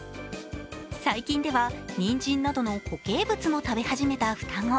最近ではにんじんなどの固形物も食べ始めた双子。